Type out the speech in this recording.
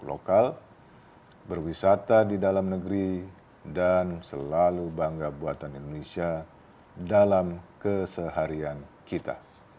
lokal berwisata di dalam negeri dan selalu bangga buatan indonesia dalam keseharian kita